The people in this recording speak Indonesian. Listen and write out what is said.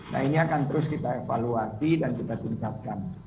nah ini akan terus kita evaluasi dan kita tingkatkan